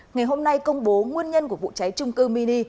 ngày hôm nay công bố nguyên nhân của vụ cháy trung cư mini